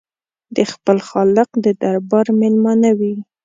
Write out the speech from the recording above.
د خپل خالق د دربار مېلمانه وي.